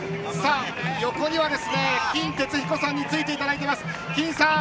横には金哲彦さんに付いていただいています。